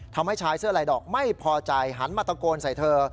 ทำให้ชายเสื้อลายดอกไม่พอใจหันมาตะโกนใส่เธอ